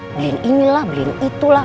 beliin ini lah beliin itu lah